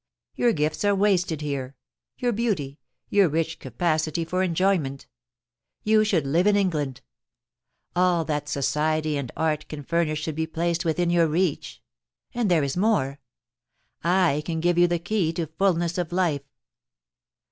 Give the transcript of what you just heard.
* Your gifts are wasted here — your beauty — your rich capacity for enjoyment You should live in England All that society and art can furnish should be placed within your reach. ... And there is more. / can give you the key to fulness of life.